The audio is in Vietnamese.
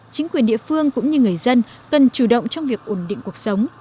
chính quyền địa phương cũng như người dân cần chủ động trong việc ổn định cuộc sống